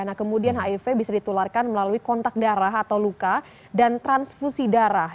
nah kemudian hiv bisa ditularkan melalui kontak darah atau luka dan transfusi darah yang sudah tercemar hiv